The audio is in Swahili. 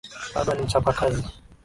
Baba ni mchapa kazi